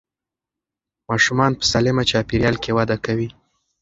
ماشومان په سالمه چاپېریال کې وده کوي.